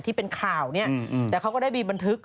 ที่เป็นข่าวเนี่ยแต่เขาก็ได้มีบันทึก